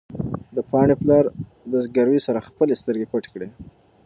د پاڼې پلار د زګېروي سره خپلې سترګې پټې کړې.